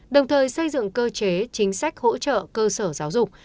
đồng thời xây dựng cơ chế chính sách hỗ trợ cơ sở giáo dục